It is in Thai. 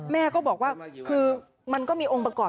แม่ก็บอกว่าคือมันก็มีองค์ประกอบ